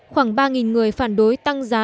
khoảng ba người phản đối tăng giá